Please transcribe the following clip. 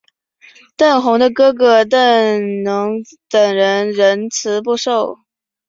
邓弘的哥哥邓骘等人仍辞不受。